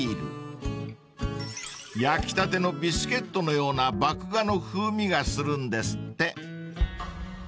［焼きたてのビスケットのような麦芽の風味がするんですって］